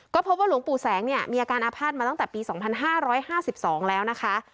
ก็พบว่าหลวงปู่แสงเนี่ยมีอาการอภาษณ์มาตั้งแต่ปีสองพันห้าร้อยห้าสิบสองแล้วนะคะ